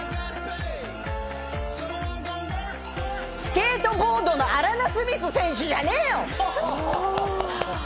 スケートボードのアラナ・スミス選手じゃねえよ！